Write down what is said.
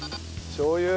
しょう油。